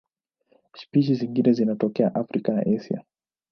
Spishi hizi zinatokea Afrika na Asia.